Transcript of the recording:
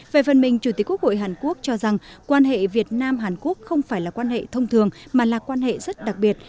về phần mình chủ tịch quốc hội hàn quốc cho rằng quan hệ việt nam hàn quốc không phải là quan hệ thông thường mà là quan hệ rất đặc biệt